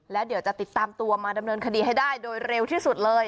และเดี๋ยวจะติดตามตัวมาดำเนินคดีให้ได้โดยเร็วที่สุดเลย